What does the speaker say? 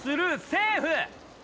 セーフ！